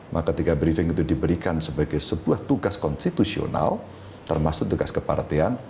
maka ketika briefing itu diberikan sebagai sebuah tugas konstitusional termasuk tugas kepartean